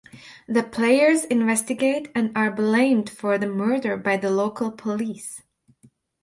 The players investigate and are blamed for the murder by the local police.